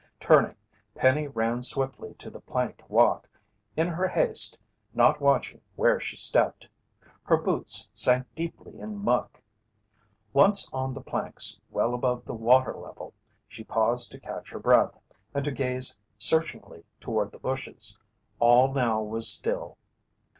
Turning, Penny ran swiftly to the planked walk, in her haste not watching where she stepped. Her boots sank deeply in muck. Once on the planks well above the water level, she paused to catch her breath, and to gaze searchingly toward the bushes. All now was still.